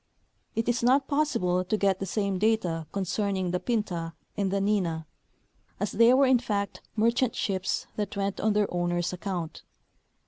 It is not possible to get the same data concerning the Pinta and the Nina, as they were in fact merchant ships that went on their OAvners' account.